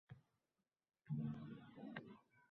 Toki bu avlodni ham yo‘qotmaylik.